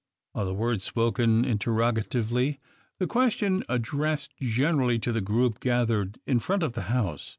are the words spoken interrogatively; the question addressed generally to the group gathered in front of the house.